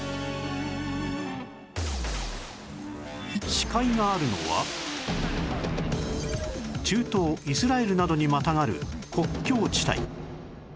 死海があるのは中東イスラエルなどにまたがる国境地帯